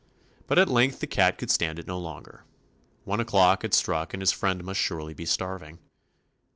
But at length the cat could stand it no longer. One o'clock had struck and his friend must surely be starving.